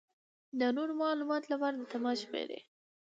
د نورو معلومات لپاره د تماس شمېرې: